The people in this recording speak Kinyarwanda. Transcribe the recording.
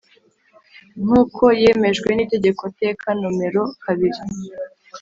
nk uko yemejwe n Itegeko teka nomero kabiri